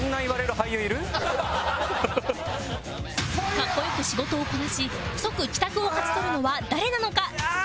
格好良く仕事をこなし即帰宅を勝ち取るのは誰なのか？